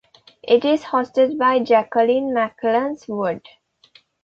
It is hosted by Jacqueline MacInnes Wood.